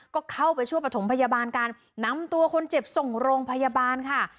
ก็เข้าไปช่วยประถมพยาบาลการนำตัวคนเจ็บส่งโรงพยาบาลค่ะ